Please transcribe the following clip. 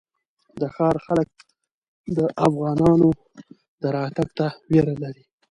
د ښار خلک د افغانانو راتګ ته وېره لري.